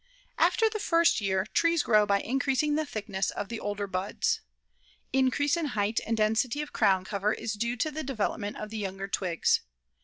After the first year, trees grow by increasing the thickness of the older buds. Increase in height and density of crown cover is due to the development of the younger twigs.